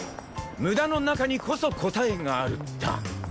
「無駄の中にこそ答えがある」だ！